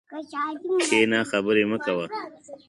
کښېنه خبري مه کوه!